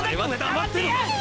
黙ってや！